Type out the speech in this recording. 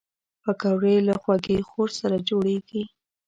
پکورې له خوږې خور سره جوړېږي